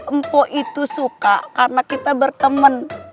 ambo itu suka karena kita bertemen